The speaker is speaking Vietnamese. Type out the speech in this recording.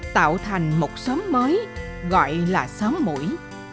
tạo thành một xóm mới gọi là xóm mũi